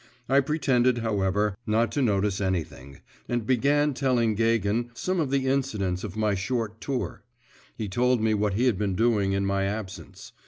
I pretended, however, not to notice anything, and began telling Gagin some of the incidents of my short tour. He told me what he had been doing in my absence.